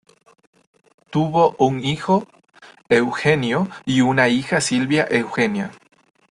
Tuvo un hijo, Eugenio y una hija, Silvia Eugenia.